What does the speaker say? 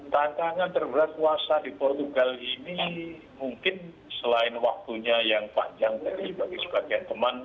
tantangan terberat puasa di portugal ini mungkin selain waktunya yang panjang tadi bagi sebagian teman